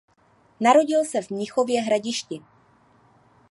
Narodil se v Mnichově Hradišti.